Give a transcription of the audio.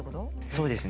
そうですね。